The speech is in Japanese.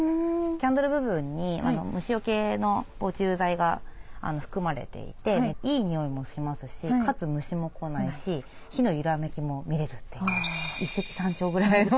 キャンドル部分に虫よけの防虫剤が含まれていていい匂いもしますしかつ虫も来ないし火の揺らめきも見れるという一石三鳥ぐらいの。